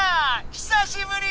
久しぶり！